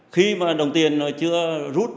khi mà đồng tiền nó chưa rút